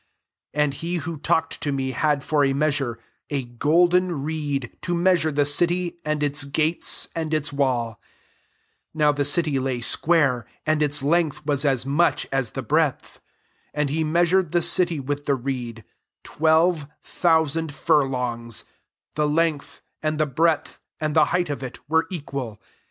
15 And he who talked to me had for a measure a golden reed, to measure the city, and its gates, and its wall. 16 Now the city lay square, and its length waa as much [a»]] the breadth. And he measured the city with the reed, twelve thousand furlongs; the length, and the breadth, and the height of it, were equal.